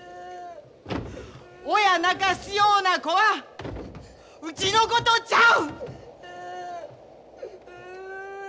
親泣かすような子はうちの子とちゃう！